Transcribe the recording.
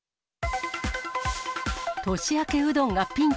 都市明けうどんがピンチ。